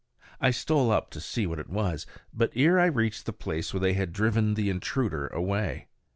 I stole up to see what it was; but ere I reached the place they had driven the intruder away.